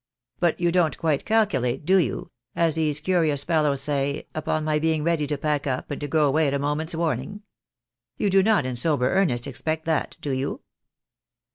But you don't quite calculate, do you — as these curious fellows say — upon my being ready to pack up, , and to go away at a moment's warning ? You do not in sober earnest expect that, do you?